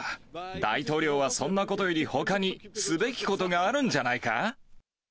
大統領はそんなことよりほかにすべきことがあるんじゃないか。